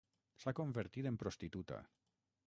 S'ha convertit en prostituta.